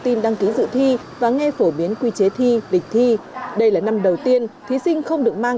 tin đăng ký dự thi và nghe phổ biến quy chế thi lịch thi đây là năm đầu tiên thí sinh không được mang